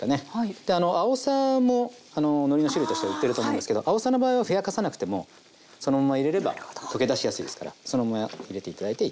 であのあおさもあののりの種類として売ってると思うんですけどあおさの場合はふやかさなくてもそのまま入れれば溶け出しやすいですからそのまま入れて頂いていいと思います。